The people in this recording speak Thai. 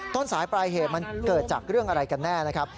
ต้นสายปลายเหตุมันเกิดจากเรื่องอะไรกันแน่นะครับ